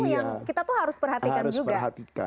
yang kita tuh harus perhatikan juga